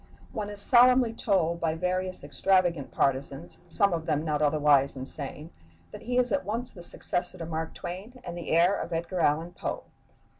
One is solemnly told by various extravagant partisans, some of them not otherwise insane, that he is at once the successor to Mark Twain and the heir of Edgar Allan Poe.